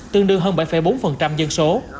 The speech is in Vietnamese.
tương đương hơn bảy bốn dân số